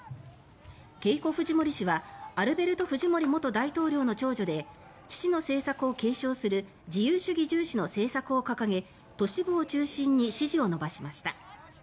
ケイコ・フジモリ氏はアルベルト・フジモリ元大統領の長女で父の政策を継承する自由主義重視の政策を掲げ都市部を中心に支持を伸ばしました。